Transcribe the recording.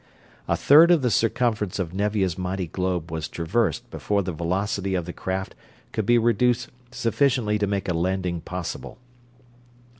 A third of the circumference of Nevia's mighty globe was traversed before the velocity of the craft could be reduced sufficiently to make a landing possible.